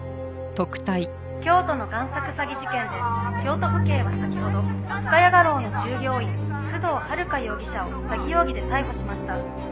「京都の贋作詐欺事件で京都府警は先ほど深谷画廊の従業員須藤温香容疑者を詐欺容疑で逮捕しました」